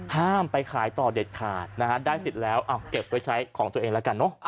ไปขายต่อเด็ดขาดนะฮะได้สิทธิ์แล้วเอาเก็บไว้ใช้ของตัวเองแล้วกันเนอะ